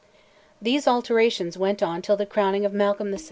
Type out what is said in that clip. These alternations went on till the crowning of Malcolm II.